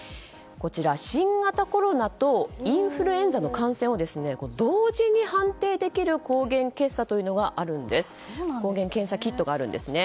新型コロナとインフルエンザの感染を同時に判定できる抗原検査キットがあるんですね。